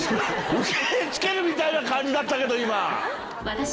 受け付けるみたいな感じだったけど今。